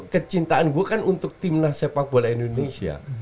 kecintaan gue kan untuk tim nasi sepak bola indonesia